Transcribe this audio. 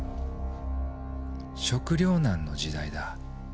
食糧難の時代だ。